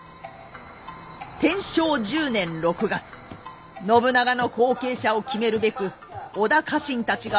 天正十年６月信長の後継者を決めるべく織田家臣たちが集まっておりました。